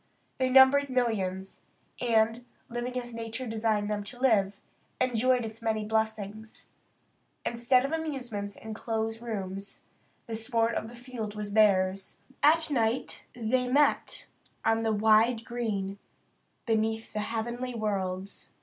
They numbered millions; and, living as nature designed them to live, enjoyed its many blessings. Instead of amusements in close rooms, the sport of the field was theirs. At night they met on the wide green beneath the heavenly worlds the ah nung o kah.